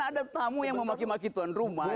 mana ada tamu yang mau maki maki tuan rumah ya